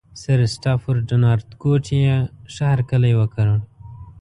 سرسټافرډ نارتکوټ یې ښه هرکلی وکړ.